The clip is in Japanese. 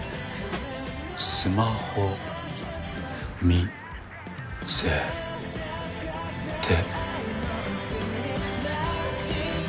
スマホ見せて？